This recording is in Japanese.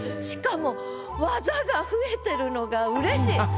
しかも技が増えてるのがうれしい。